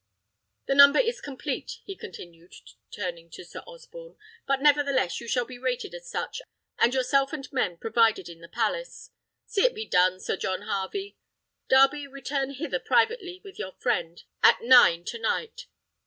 "The number is complete," he continued, turning to Sir Osborne; "but, nevertheless, you shall be rated as such, and yourself and men provided in the palace. See it be done, Sir John Harvey. Darby, return hither privately with your friend, at nine to night.